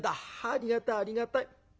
ありがたいありがたい。